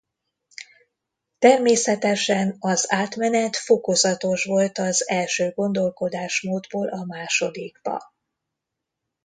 Természetesen az átmenet fokozatos volt az első gondolkodásmódból a másodikba.